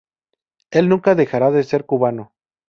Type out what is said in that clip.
Él nunca dejará de ser cubano.